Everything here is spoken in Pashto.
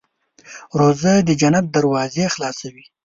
روژه د جنت دروازې خلاصوي.